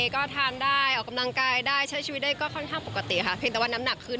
ก็ทานได้ออกกำลังกายได้ใช้ชีวิตได้ก็ค่อนข้างปกติค่ะเพียงแต่ว่าน้ำหนักขึ้น